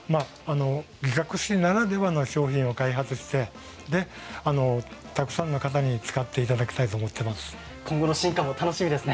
擬革紙ならではの商品を開発して、たくさんの方に使っていただきたいと思います。